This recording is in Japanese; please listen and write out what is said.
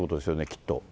きっと。